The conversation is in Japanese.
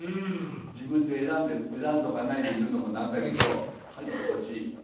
自分で選んでおかないで言うのもなんだけど入ってほしい。